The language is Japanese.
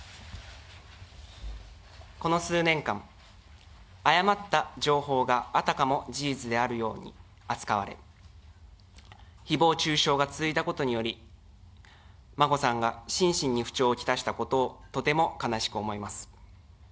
この数年間、誤った情報があたかも事実であるように扱われ、ひぼう中傷が続いたことにより、眞子さんが心身に不調を来したことを、とても悲しく思います。